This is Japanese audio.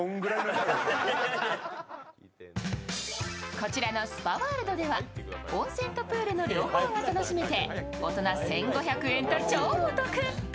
こちらのスパワールドでは、温泉とプールの両方が楽しめて大人１５００円と超お得。